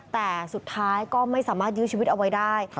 แต่สุดท้ายก็ไม่สามารถยื้อชีวิตเอาไว้ได้